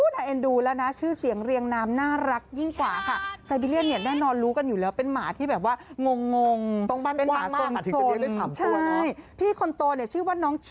คนแสนสวยกันหน่อย